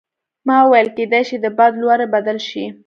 ما وویل کیدای شي د باد لوری بدل شي.